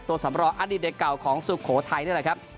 ตัวสำรองอัฐิเดก่าวของสุโขทัยนะครับ